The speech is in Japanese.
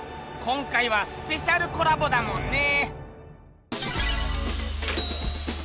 今回はスペシャルコラボだもんね。